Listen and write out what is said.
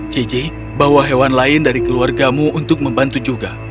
cici bawa hewan lain dari keluargamu untuk membantu juga